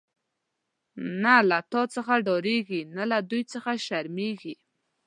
نه له تا څخه ډاريږی، نه له دوی څخه شرميږی